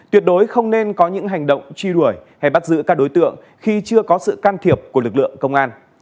tuyệt đối không nên có những hành động truy đuổi hay bắt giữ các đối tượng khi chưa có sự can thiệp của lực lượng công an